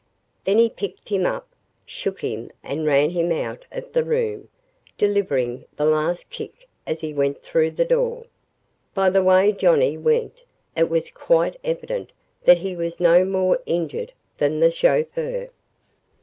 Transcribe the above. Then he picked him up, shook him and ran him out of the room, delivering one last kick as he went through the door. By the way Johnnie went, it was quite evident that he was no more injured than the chauffeur.